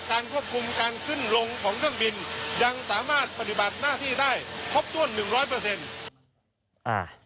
การควบคุมการขึ้นลงของเครื่องบินยังสามารถปฏิบัติหน้าที่ได้ครบถ้วน๑๐๐